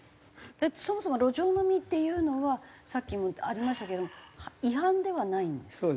そもそも路上飲みっていうのはさっきもありましたけれども違反ではないんですか？